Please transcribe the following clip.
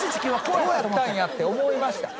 こうやったんやって思いました。